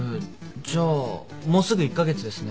じゃあもうすぐ１カ月ですね。